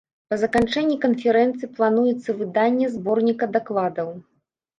Па заканчэнні канферэнцыі плануецца выданне зборніка дакладаў.